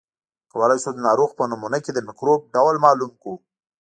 کولای شو د ناروغ په نمونه کې د مکروب ډول معلوم کړو.